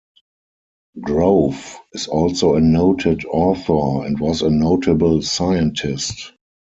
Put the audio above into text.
Grove is also a noted author and was a notable scientist.